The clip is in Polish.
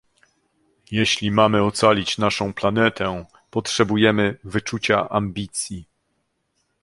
Jeśli mamy ocalić naszą planetę, potrzebujemy wyczucia ambicji